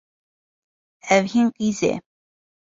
Ew hîn qîz e.